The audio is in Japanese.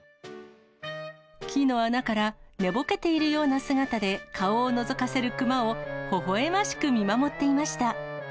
木の穴から寝ぼけているような姿で顔をのぞかせる熊をほほえましく見守っていました。